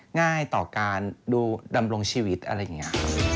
ง่ายต่อการดูดำรงชีวิตอะไรอย่างนี้